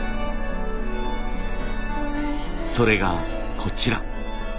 それがこちら。